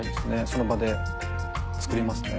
その場で作りますね。